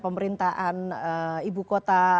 pemerintahan ibu kota